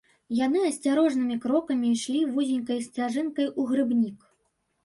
Яны асцярожнымі крокамі ішлі вузенькай сцяжынкай у грыбнік.